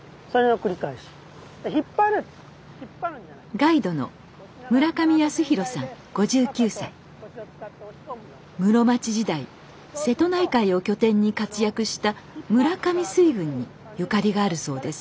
ガイドの室町時代瀬戸内海を拠点に活躍した村上水軍にゆかりがあるそうです。